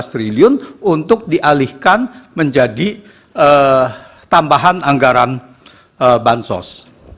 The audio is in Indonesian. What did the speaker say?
lima belas triliun untuk dialihkan menjadi tambahan anggaran bansos